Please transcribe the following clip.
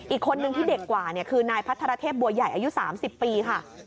อีกคนนึงที่เด็กกว่าคือนายพัทรเทพบัวใหญ่อายุ๓๐ปีค่ะ